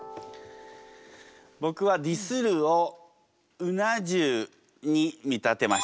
僕は「ディスる」をうな重に見立てました。